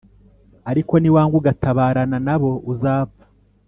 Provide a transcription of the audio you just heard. Ariko niwanga ugatabarana na bo uzapfa